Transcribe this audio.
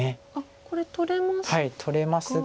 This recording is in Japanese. これ取れますが。